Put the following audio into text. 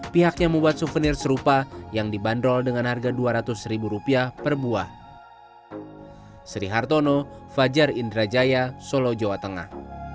pihaknya membuat souvenir serupa yang dibanderol dengan harga dua ratus ribu rupiah per buah